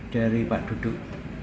dari pak duduk